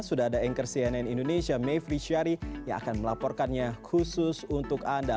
sudah ada anchor cnn indonesia mayfri syari yang akan melaporkannya khusus untuk anda